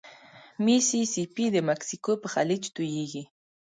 ميسي سي پي د مکسیکو په خلیج توییږي.